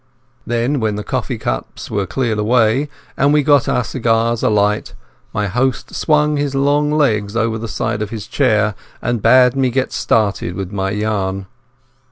Then when the coffee cups were cleared away, and we had got our cigars alight, my host swung his long legs over the side of his chair and bade me get started with my yarn.